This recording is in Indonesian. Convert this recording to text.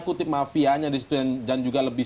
kutip mafianya di situ dan juga lebih